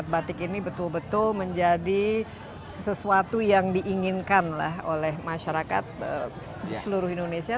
jadi ini betul betul menjadi sesuatu yang diinginkan lah oleh masyarakat seluruh indonesia